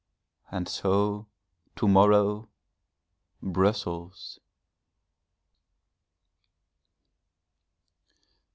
And so to morrow Brussels!